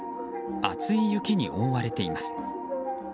厚い雪に覆われています。